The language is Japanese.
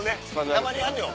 たまにあんのよ